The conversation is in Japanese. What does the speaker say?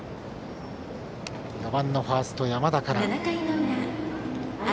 ４番のファースト、山田から。